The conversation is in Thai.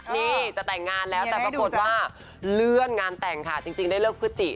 นี่จะแต่งงานแล้วแต่ปรากฏว่าเลื่อนงานแต่งค่ะจริงได้เลิกพฤศจิ